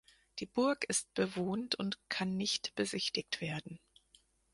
Die Burg ist bewohnt und kann nicht besichtigt werden.